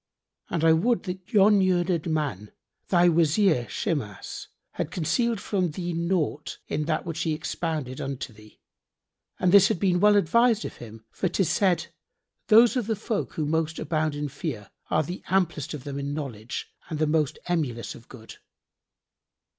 And I would that yon learned man, thy Wazir Shimas, had concealed from thee naught in that which he expounded unto thee; and this had been well advised of him, for 'tis said, 'Those of the folk who most abound in fear are the amplest of them in knowledge and the most emulous of good.'"